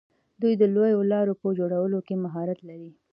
دوی د لویو لارو په جوړولو کې مهارت لري.